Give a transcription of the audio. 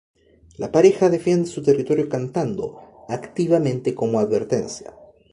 La pareja defiende su territorio cantando, activamente como advertencia.